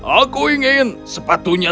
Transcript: aku ingin sepatunya